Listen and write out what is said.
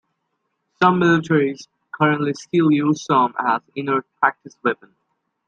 Some militaries currently still use some as inert practice weapons.